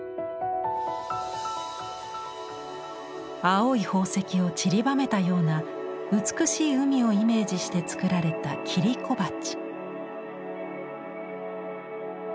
青い宝石をちりばめたような美しい海をイメージして作られた切子鉢。